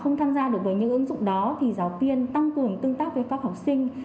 không tham gia được với những ứng dụng đó thì giáo viên tăng cường tương tác với các học sinh